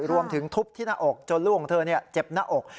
รวมถึงทุบที่หน้าอกจนลูกของเธอเจ็บหน้าอก